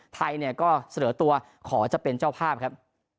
ไทยเนี่ยก็เสนอตัวขอจะเป็นเจ้าภาพครับ